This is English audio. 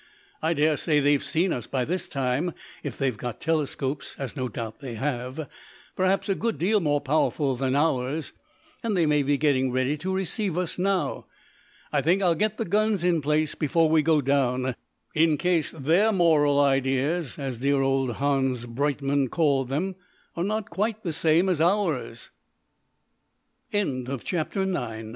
I daresay they've seen us by this time if they've got telescopes, as no doubt they have, perhaps a good deal more powerful than ours, and they may be getting ready to receive us now. I think I'll get the guns in place before we go down, in case their moral ideas, as dear old Hans Breitmann called them, are not quite the same as ours." CHAPTER X The words were hard